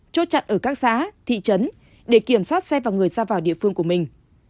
chốt chặn ở các xã thị trấn để kiểm soát xe và người ra vào địa phương của mình